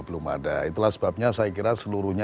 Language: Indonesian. belum ada itulah sebabnya saya kira seluruhnya